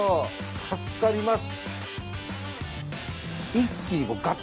助かります。